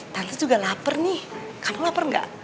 tante juga lapar nih kamu lapar gak